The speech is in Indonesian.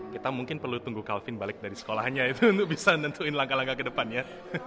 kita mungkin perlu tunggu kalvin balik dari sekolahnya itu untuk bisa nentuin langkah langkah ke depannya